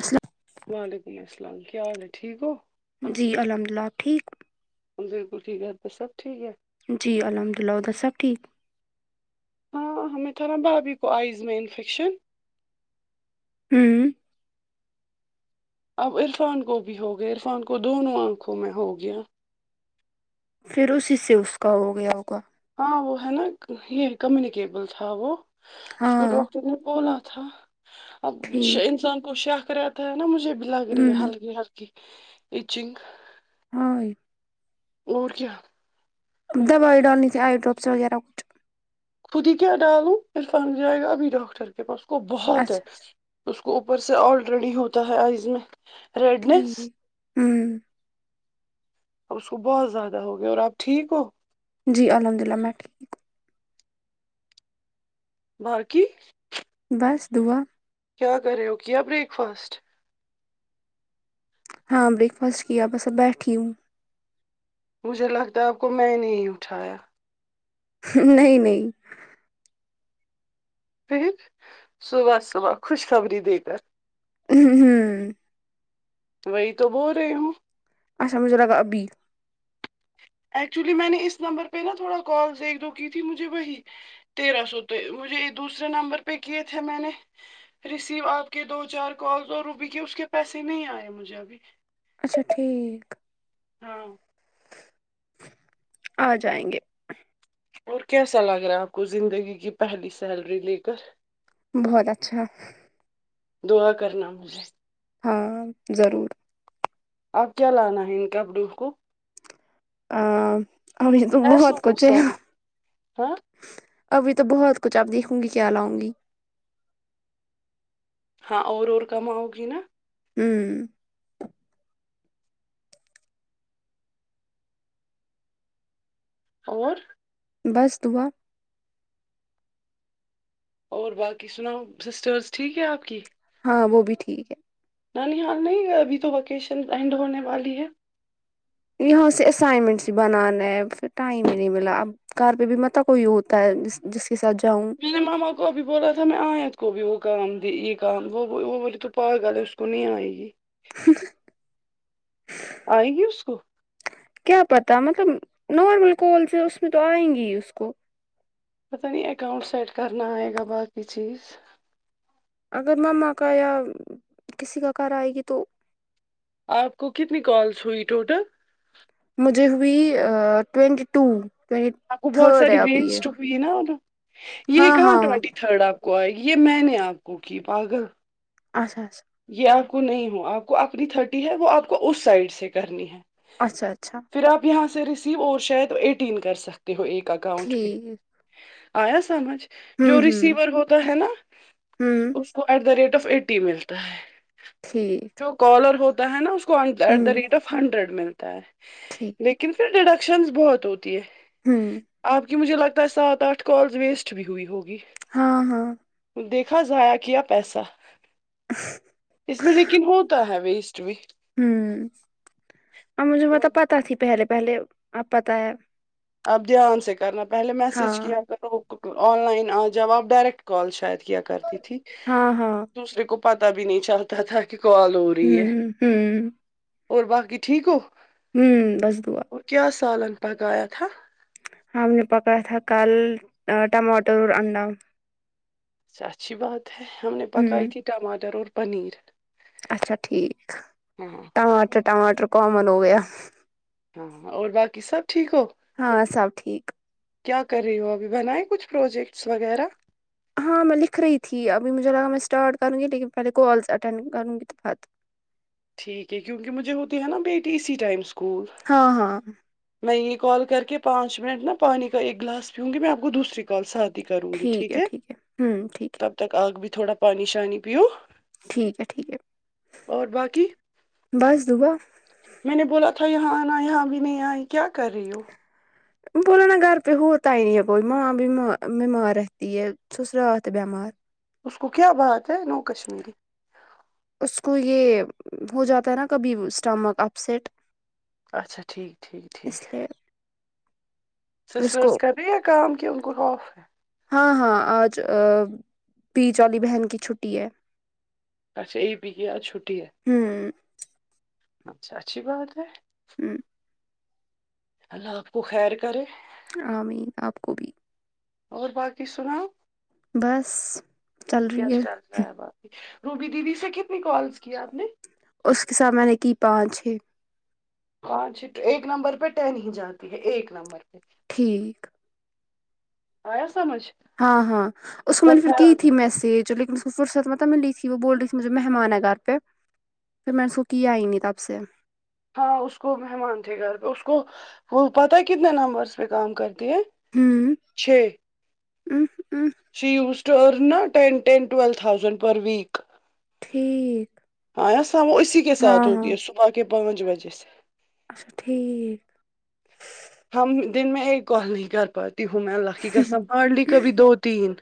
اسلا وعلیکم السلام کیا حال ہے ٹھیک ہو جی الحمد للہ آپ ٹھیک ہم بالکل ٹھیک ہے بس سب ٹھیک ہے جی الحمد اللہ ادھر سب ٹھیک ہاں ہمیں تھا نا بھابھی کو آئز میں انفیکشن ھم اب عرفان کو بھی ہو گیا عرفان کو دونوں آنکھوں میں ہو گیا پھر اسی سے اس کا ہو گیا ہوگا ہاں وہ ہے نا یہ کمیونکیبل تھا وہ اس کو ہاں ڈاکٹر نے بولا تھا ٹھیک انسان کو شق رہتا ہے نا مجھے بھی لگ رہی ہے ہوں ہلکی ہلکی ایچنگ ہاں اور کیا دوائی ڈالنی تھی آئی ڈراپس وغیرہ کچھ خود ہی کیا ڈالوں عرفان جائے گا ابھی ڈاکٹر کے پاس کو بہت ہے اچھا اچھا اس کو اوپر سے الریڈی ہوتا ہے ایس میں ریڈنیس ٹھیک ہوں اس کو بہت زیادہ ہوگیا اور آپ ٹھیک ہو جی الحمد للہ میں ٹھیک باقی بس دعا کیا کر رہے ہو کیا بریک فاسٹ ہاں بریک فاسٹ کیا بس اب بیٹھی ہوں مجھے لگتا ہے آپ کو میں نے ہی اٹھایا نہیں نہیں پھر صبح صبح خوشخبری دے کر ہ ہوں وہی تو بول رہی ہوں اچھا مجھے لگا ابھی ایکچولی میں نے اس نمبر پہ نا تھوڑا کالز ایک دو کی تھی مجھے وہی تیرہ سو تو مجھے دوسرے نمبر پہ کیے تھے میں نے ریسیو آپ کے دو چار کال اور روبی کے اس کے پیسے نہیں آئے مجھے ابھی اچھا ٹھیک ہاں آ جائیں گے اور کیسا لگ رہا ہے آپ کو زندگی کی پہلی سیلری لے کر بہت اچھا دعا کرنا مجھے ہاں ضرور آپ کیا لانا ہے ان کپڑوں کو ا ابھی تو بہت پیسوں کو کچھ ہے سالو ہاں ابھی تو بہت کچھ اپ دیکھوں گی کیا لاؤں گی ہاں اور اور کم آؤ گی نا ہممم اور بس دعا اور باقی سناؤ سسٹرس ٹھیک ہے آپ کی ہاں وہ بھی ٹھیک ہے نانی ہاؤس نہیں گئے ابھی تو ویکیشن اینڈ ہونے والی ہے یہاں سے اسسائنمنٹس سے بنانا ہے پھر ٹائم ہی نہیں ملا اب کار پہ بھی مت کوئی ہوتا ہے جس کے ساتھ جاؤں میں نے ماما کوبھی بولا تھا میں آیات کو بھی وہ کام د یہ کام وہ وہ بولے تو پاگل اس دنیا آئی گی ہ آئیگی اس کو کیا پتاہ مطلب نارمل کالز سے اس میں تو آئیں گی ہی اس کو پتا نہیں اکاؤنٹ سیٹ کرنا آئے گا باقی چیز اگر میم آ کا یا کسی کا کار آئے گی تو آپ کو کتنی کالس ہوئی ٹوٹل مجھے ہوئی ٹوئینٹی ٹو ٹوینٹی تھرڈ ہے ابھی یہ یہ نا یہ ہاں کہاں ہاں ہاں ٹوینٹی تھرڈ آپ کو آئے گی یہ میں نے آپ کو کی پاگل اچھا یہ آپ کو نہیں ہو آپ کو اپنی تھرٹی ہے وہ آپ کو اس سائڈ سے کرنی ہے اچھا اچھا پھر آپ یہاں سے ریسیو اور شاید ایٹین کر سکتے ہو ایک اکاؤنٹ پہ ٹھیک آیا سمجھ ہوں جو ہوں ریسیور ہوتا ہے نا ہوں اس کو at the rate of eighty ملتا ہے ٹھیک جو کالر ہوتا ہے نا اس کو ایٹ ہوں ریٹ آف ہنڈریڈ ملتا ہے ٹھیک لیکن پھر انٹرودنکشنز بہت ہوتی ہے ہوں آپ کی مجھے لگتا ہے سات آٹھ کالز ویسٹ بھی ہوئی ہوگی ہاں ہاں دیکھا ضائع گیا پیسہ ہ اس میں لیکن ہوتا ہے ویسٹ بھی ہوں اب مجھے وہ اور تو پتہ تھی پہلے پہلے اب پتہ ہے اب دھیان سے کرنا پہلے میسج ہاں کیا کرو آن لائن آ ج جب آپ ڈائریکٹ کال شاید کیا کرتی تھی ہاں ہاں دوسرے کو پتہ بھی نہیں چلتا تھا کہ کال ہو رہی ہے ہوں ہوں اور باقی ٹھیک ہو ہوں بس دعا وہ کیا سالن پکا یا تھا ہاں ہم نے پکا یا تھا کل ٹماٹر اور انڈا اچھی بات ہے ہم نے پکائی ہوں تھی ٹماٹر اور پنیر اچھا ٹھیک ہاں ٹماٹر ٹماٹر کامن ہو گیا ہاں اور باقی سب ٹھیک ہو ہاں سب ٹھیک کیا کر رہی ہو ابھی بنائیں کچھ پروجیکٹس وغیرہ ہاں میں لکھ رہی تھی ابھی مجھے لگا میں اسٹارٹ کروں گی لیکن پہلے کالس اٹینڈ کروں گی تو بعد میں ٹھیک ہے کیونکہ مجھے ہوتی ہے نا بیٹی اسی ٹائم اسکول ہاں ہاں میں یہ کال کر کے پانچ منٹ نا پانی کا ایک گلاس پیوں گی میں آپ کو دوسری کال ساتھ کروں گی ٹھیک ہے تب تک آپ بھی تھوڑا پانی شانی پیو ٹھیک ہے ٹھیک ہے اور باقی بس دعا میں نے بولا تھا یہاں آنا یہاں بھی نہیں آئی کیا کر رہی ہو بولو نا گھر پے ہوتاہی نہیں ہے کوئی ماں ببیما بیمار ر ہتی ہے سسراتو ہے بیمار اس کو کیا بات ہے نو کشمیری اس کو یہ ہو جاتا ہے نا کبھی اسٹامک اپسیٹ اچھا ٹھیک ٹھیک ٹھیک لیے اس کو سسٹرز کر رہی کام کہ ان کواوف ہاں ہاں آج بیچ والی بہن کی چھٹی ہے اچھا ایک بی آج چھٹی ہے ہوں اچھا اچھی بات ہے ھمم اللہ آپ کو خیر کرے آمین آپ کو بھی اور باقی سناؤ بس چل رہی ہے بات روبی دیدی سے کتنی کالس کی آپ نے اس کے ساتھ میں نے کی پانچ چھ پانچ چھ ایک نمبر پہ ٹین ہی جاتی ہے ایک نمبر پہ ٹھیک آیا سمجھ ہاں ہاں اس کو میں کا نے پھر خیال کی تھی رکھو میسج لیکن اس وہ فرصت مطلب میں لی تھی وہ بول رہی تھی مجھے مہمان ہے گھر پہ پھر میں نے اس کو کیا ہی نہیں تب سے ہاں اس کو مہمان تھے گھر پہ اس کو وہ پتہ ہےکتنے نمبرس پہ کام کر تی ہے چھ um um she use to earn نا ٹین ٹین ٹویل تھاؤزنڈ پر ویک ٹھیک آ یا سمجھوہ اسی کے ساتھ ہاں ہوتی ہاں ہے صبح کے پانچ بجے سے اچھا ٹھیک ہم دن میں ایک کال نہیں کر پاتی ہوں میں اللہ کی قسم ہارڈلی کبھی دو تین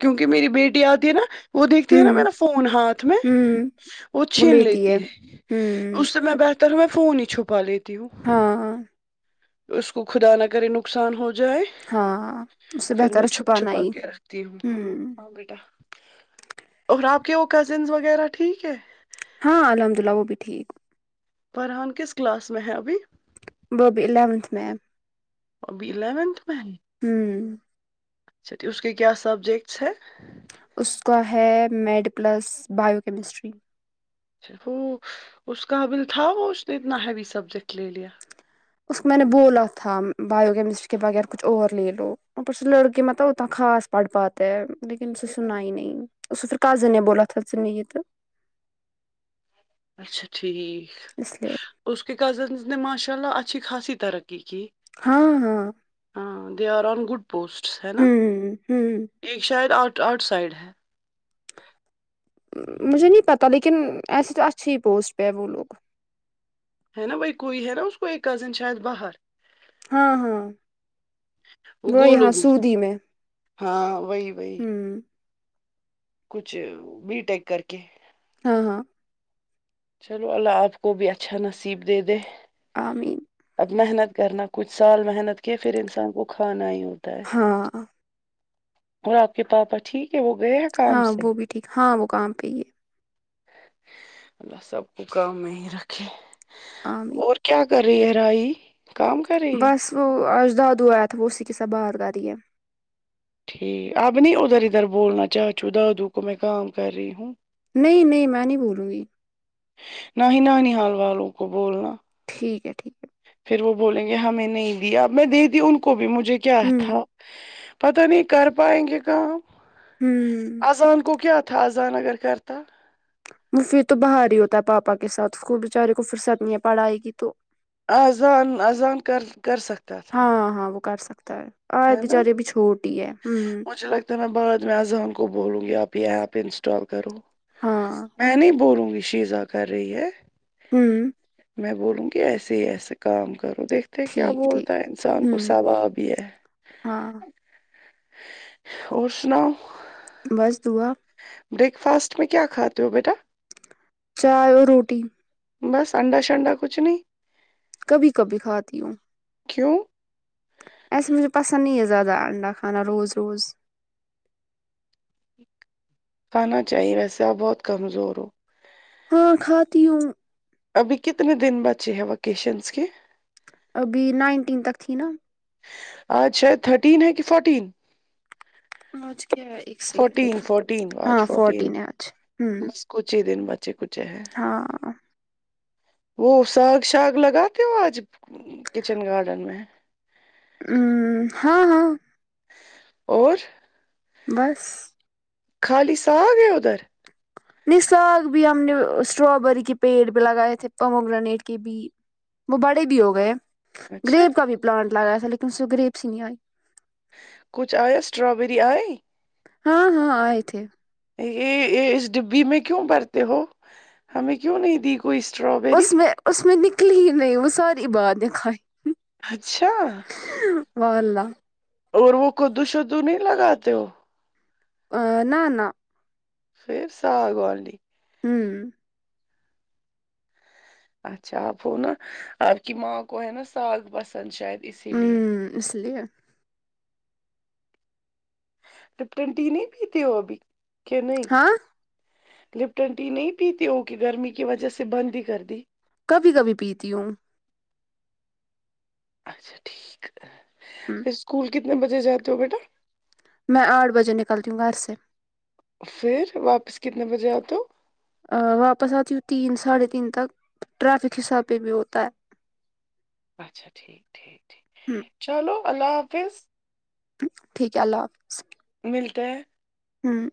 کیونکہ میری بیٹی آتی ہے نا وہ دیکھتی ہے نا ہوں میرا فون ہاتھ میں ہوں وہ چھین لیتی ہے ہوں اس سے میں بہتر ہوں میں فون ہی چھپا لیتی ہوں ہاں اس کو خدا نہ کرے نقصان ہو جائے ہاں اس سے پھر بہتر میں ہے چھپ چھپانا چھپا ہی کے رکھتی ہوں ہاں ہاں بیٹا اور آپ کے وہ کزنس وغیرہ ٹھیک ہے ہاں الحمد للہ وہ بھی ٹھیک فر ہان کس کلاس میں ہے ابھی وہ ابھی الیونتھ میں ہے ابھی الیونتھ میں ہے ھمم اچھا اس کے کیا سبجیکٹس ہیں اس کا ہے میڈ پلس بایو کیمسٹری وہ اس کا بل تھا وہ اس نے اتنا ہیوی سبجیکٹ لے لیا اس کو میں نے بولا تھا بایو کیمسٹری کے بغیر کچھ اور لے لو اپر سے لڑکی مطلب اتنا خاص پڑھ پاتے ہے ہیں لیکن اس سناہی نہیں اسے پھر کزن نے بولا تھا [unintelligible] اچھا ٹھیک اس لیے اس کے کزنس نے ماشاء اللہ اچھی خاصی ترقی کی ہاں ہاں ہاں they are on good posts ہے نا ہوں ہوں ایک شاید آؤٹ سائڈ ہے مجھے نہیں پتاہ لیکن ایسے تو اچھی ہی پوسٹ پہ ہے وہ لوگ ہے نا وہی کوئی ہے نا اس کو ایک کزن شاید باہر ہاں ہاں وہ وہی گولو ہاں گز سعودی میں ہاں وہی وہی ہم کچھ بی ٹیک کر کے ہاں ہاں چلو اللہ آپ کو بھی اچھا نصیب دے دے آمین اب محنت کرنا کچھ سال محنت کے پھر انسان کو کھانا ہی ہو ہاں اور آپ کے پاپا ٹھیک ہے وہ گئے کام ہاں سے وہ بھی ٹھیک ہاں وہ کام پہ ہی ہے اللہ سب کو کام میں ہی رکھے امین اور کیا کر رہی ہے رائی کام کر رہی ہے بس وہ اجداد ہو آیا تھا وہ اسی کے ساتھ بات کر رہی ہے ٹھیک اب نہیں ادھر ادھر بولنا چاچو دادو کو میں کام کر رہی ہوں نہیں نہیں میں نہیں بولوں گی نہ ہی نہ ن حال والوں کو بولنا ٹھیک ہے ٹھیک پھر وہ بولیں گے ہمیں نہیں دیا ا میں دے دی ان کو بھی مجھے کیا ہے ہوں تھا پتہ نہیں کر پائیں گے کام ہم اذان کو کیا تھا اذان اگر کرتا وہ پھر تو باہر ہی ہوتا ہے پاپا کے ساتھ اسکول بچارے کو فرصت نہیں ہے پڑھائی کی تو آہذان آزان کر کر سکتا تھا ہاں ہاں وہ کر سکتا ہے آ ہے نا بچاری بھی چھوٹی ہی ہے ہوں مجھے لگتا ہے میں بعد میں اذان کو بولوں گی آپ یہ ایپ انسٹال کرو ہاں میں نہیں بولوں گی شیزا کر رہی ہے ہوں میں بولوں گی ایسے ہی ایسے کام کروں دیکھتے کیا ٹھیک ٹھیک بولتا ہے انسان کو ہوں ثواب بھی ہے ہاں اور سناؤ بس دعا بریک فاسٹ میں کیا کھاتے ہو بیٹا چائے اور روٹی بس انڈا شنڈا کچھ نہیں کبھی کبھی کھاتی ہوں کیوں ایسے مجھے پسند نہیں ہے زیادہ انڈا کھانا روز روز کھانا چاہیے ویسے آپ بہت کمزور ہو ہاں کھاتی ہوں ابھی کتنے دن بچی ہے وکیشنس کی ابھی نائنٹین تک تھی نا اچھا تھرٹین ہے کہ فورٹین آج کے ایک سیکنڈ فورٹین فورٹین ہاں آج فورٹین ہے آج ہ بس کچھ ہی دن بچے کچھ ہے ہ وہ ساگ ساگ لگاتے ہو آج کچن گارڈن میں ہ ہاں ہاں اور بس خالی سا گ ہے ادھر نہیں ساگ بھی ہم نے اسٹرابری کے پیڑ بھی لگائے تھے پمو گرینیٹ کے بھی وہ بڑے بھی ہو گئے اچھا گریب کا بھی پلانٹ لگایا تھا لیکن اس سے گریب سی نہیں آئی کچھ آیا اسٹرابری آی ہاں ہاں اے تھے یہ اس ڈبی میں کیوں برتے ہو ہمیں کیوں نہیں دی کوئی اسٹاپ اس میں اس میں نکلی ہی نہیں وہ ساری بعد کھایی اچھا و ل اور وہ قدو شدو نہیں لگاتے ہو ا نہ نہ پھر ساگ والی ہوں اچھا آپ ہو نا آپ کی ماں کو ہے نا ساگ پسند شاید اسی لیے ہوم اس لیے لپٹوں نہیں پیتی ہو ابھی کہ نہیں ہاں لپٹن ٹی نہیں پیتی ہو کہ گرمی کی وجہ سے بند ہی کر دی کبھی کبھی پیتی ہوں اچھا ٹھیک ہوں پھر اسکول کتنے بجے جاتے ہو بیٹا میں آٹھ بجے نکلتی ہوں گھر سے پھر واپس کتنے بجے آتے ہو ا واپس آتی ہوں تین ساڑھے تین تک ٹریفک حساب پہ بھی ہوتا ہے اچھا ٹھیک ٹھیک ٹھیک ہوں چلو اللہ حافظ ٹھیک ہے اللہ حافظ ملتے ہیں ہمم